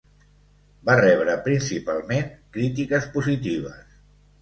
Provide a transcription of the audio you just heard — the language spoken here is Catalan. Va rebre principalment crítiques positives.